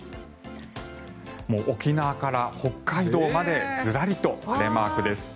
沖縄から北海道までずらりと晴れマークです。